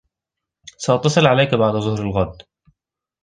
سأتصل عليك بعد ظهر الغد.